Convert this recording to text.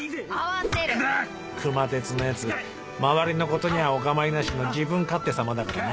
熊徹の奴周りのことにゃお構いなしの自分勝手様だからな。